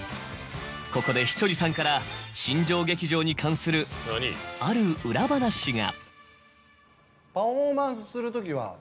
ここで稀哲さんから新庄劇場に関するある裏話が。